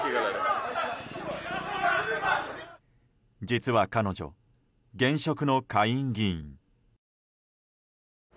実は彼女、現職の下院議員。